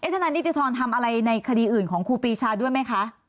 ทนายนิติธรทำอะไรในคดีอื่นของครูปีชาด้วยไหมคะ